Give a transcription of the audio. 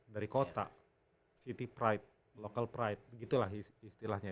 dari kota city pride local pride gitu lah istilahnya